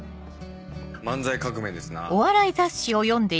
漫才革命ですな。